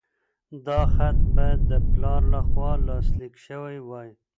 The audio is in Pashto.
دا خط باید د پلار لخوا لاسلیک شوی وای.